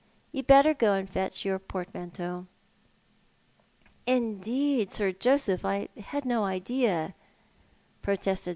You'd better go and fetch your portmanteau." " Indeed, Sir Joseph, I had no idea " protested